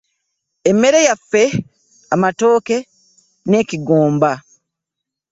Emmere yaffe, amatooke n'ekigomba.